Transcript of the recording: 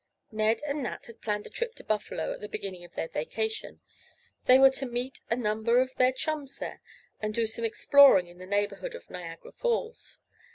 Ned and Nat had planned a trip to Buffalo at the beginning of their vacation. They were to meet a number of their chums there, and do some exploring in the neighborhood of Niagara Falls.